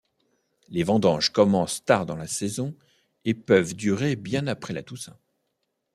Les vendanges commencent tard dans la saison et peuvent durer bien après la Toussaint.